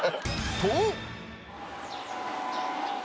と。